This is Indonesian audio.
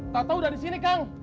tata udah di sini kang